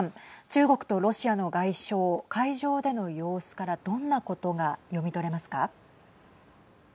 中国とロシアの外相会場での様子からどんなことが読み取れますか。